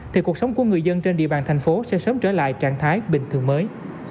thì cuộc sống của người dân trên địa bàn thành phố sẽ sớm trở lại trạng thái bình thường mới